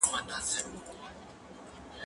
زه پرون ږغ اورم وم؟